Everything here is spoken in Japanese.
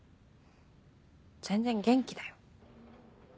全然元気だよ。